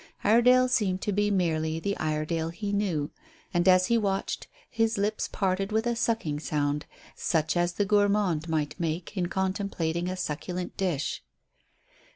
Iredale seemed to be merely the Iredale he knew, and as he watched his lips parted with a sucking sound such as the gourmand might make in contemplating a succulent dish.